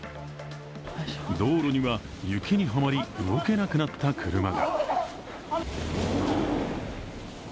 道路には雪にはまり、動けなくなった車が。